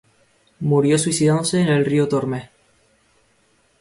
Murió suicidándose en el río Tormes.